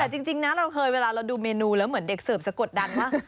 แต่จริงนะเราเคยเวลาเราดูเมนูแล้วเหมือนเด็กเสิร์ฟสะกดดันว่า